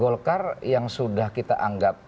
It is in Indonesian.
golkar yang sudah kita anggap